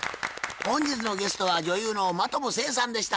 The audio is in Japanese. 本日のゲストは女優の真飛聖さんでした。